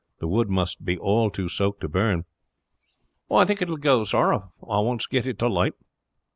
The wood must be all too soaked to burn." "I think it will go, sor, if I can once get it to light.